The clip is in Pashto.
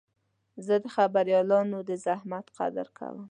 زه د خبریالانو د زحمت قدر کوم.